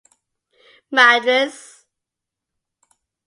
Madres.